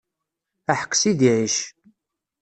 Aḥeq Sidi Ɛic.